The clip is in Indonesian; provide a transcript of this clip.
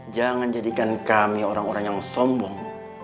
jangan jadikan kami orang orang yang sombong